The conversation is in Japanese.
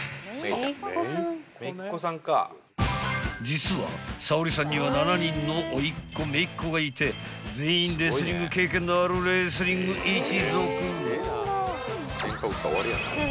［実は沙保里さんには７人のおいっ子めいっ子がいて全員レスリング経験のあるレスリング一族］